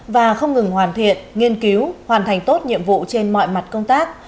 và không ngừng hoàn thiện nghiên cứu hoàn thành tốt nhiệm vụ trên mọi mặt công tác